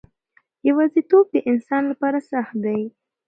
یوازیتوب د انسان لپاره سخت دی.